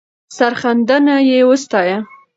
سرښندنه یې وستایه.